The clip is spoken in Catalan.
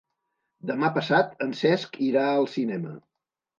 Demà passat en Cesc irà al cinema.